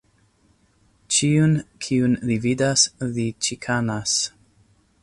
Ĉiun, kiun li vidas, li ĉikanas.